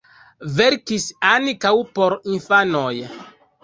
Verkis ankaŭ por infanoj.